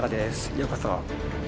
ようこそ。